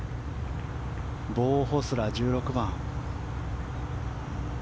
ボウ・ホスラー、１６番。